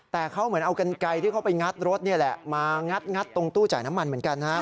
แต่เขาเหมือนเอากันไกลที่เขาไปงัดรถนี่แหละมางัดตรงตู้จ่ายน้ำมันเหมือนกันนะครับ